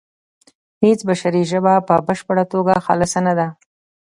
هیڅ بشري ژبه په بشپړه توګه خالصه نه ده